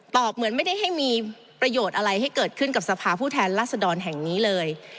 เหมือนไม่ได้ให้มีประโยชน์อะไรให้เกิดขึ้นกับสภาผู้แทนรัศดรแห่งนี้เลย